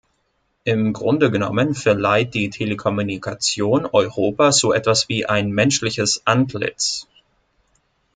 Im Grunde genommen verleiht die Telekommunikation Europa so etwas wie ein menschliches Antlitz.